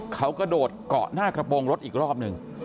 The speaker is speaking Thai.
เขากระโดดเกาะหน้ากระโปรงรถอีกรอบหนึ่ง